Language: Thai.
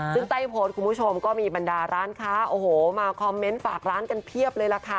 ซึ่งใต้โพสต์คุณผู้ชมก็มีบรรดาร้านค้าโอ้โหมาคอมเมนต์ฝากร้านกันเพียบเลยล่ะค่ะ